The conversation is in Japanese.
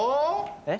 えっ？